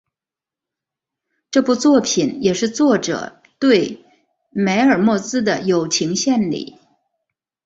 这部作品也是作者对梅尔莫兹的友情献礼。